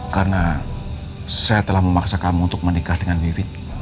karena saya telah memaksa kamu untuk menikah dengan wiwit